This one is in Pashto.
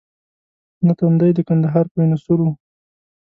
نه تندی د کندهار په وینو سور وو.